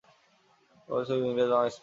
তার বাবা ছিল ইংরেজ এবং মা স্প্যানিশ।